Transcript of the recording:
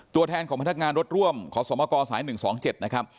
ตัวแทนของพนักงานรถร่วมขอสมกสาย๑๒๗นะครับ